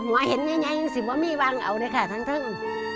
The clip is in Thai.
มันเห็นเงียบยิ่งสิเพราะไม่ยิ่งบ้างเอาได้ค่ะทันทั้ง